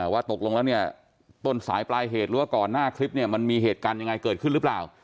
ว่าตกลงแล้วเนี่ยต้นสายปลายเหตุหรือว่าก่อนหน้าคลิปเนี่ยมันมีเหตุการณ์ยังไงเกิดขึ้นหรือเปล่า